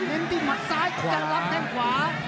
เน้นที่หมัดซ้ายยังรับแข้งขวา